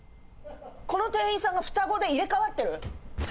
この店員さんが双子で入れ替わってる。